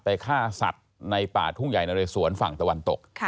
ฆ่าสัตว์ในป่าทุ่งใหญ่นะเรสวนฝั่งตะวันตก